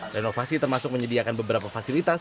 renovasi termasuk menyediakan beberapa fasilitas